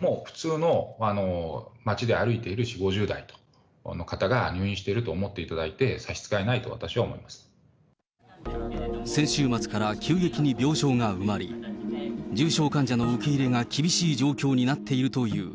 もう普通の街で歩いている４、５０代の方が入院していると思っていただいて差し支えないと私は先週末から急激に病床が埋まり、重症患者の受け入れが厳しい状況になっているという。